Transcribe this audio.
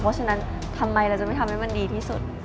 เพราะฉะนั้นทำไมเราจะไม่ทำให้มันดีที่สุด